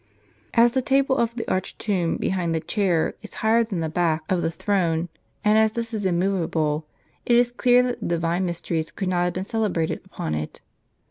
As the table of the arched tomb behind the chair is higher than the back of the throne, and as this is immovable, it is clear that the divine mysteries could not have been celebrated upon it.